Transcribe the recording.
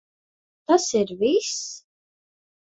Tas ir viss?